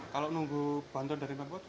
kalau nunggu bantuan dari mempot